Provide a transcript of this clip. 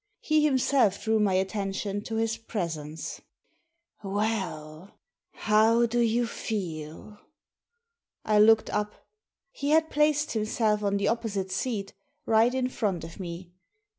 He himself drew my attention to his presence, " Well, how do you feel ?" I looked up. He had placed himself on the opposite seat, right in front of me.